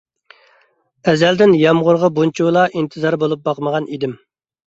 ئەزەلدىن يامغۇرغا بۇنچىلا ئىنتىزار بولۇپ باقمىغان ئىدىم.